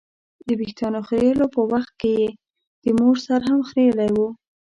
د ویښتانو خریلو په وخت یې د مور سر هم خرېیلی و.